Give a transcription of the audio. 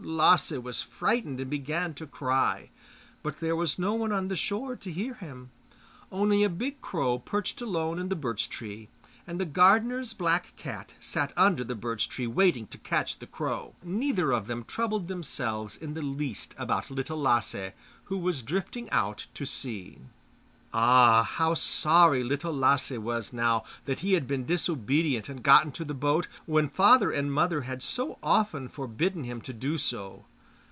Lasse was frightened and began to cry. But there was no one on the shore to hear him. Only a big crow perched alone in the birch tree; and the gardener's black cat sat under the birch tree, waiting to catch the crow. Neither of them troubled themselves in the least about Little Lasse, who was drifting out to sea. Ah! how sorry Little Lasse was now that he had been disobedient and got into the boat, when father and mother had so often forbidden him to do so!